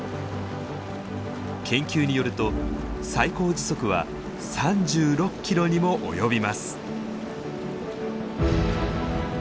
研究によると最高時速は３６キロにも及びます。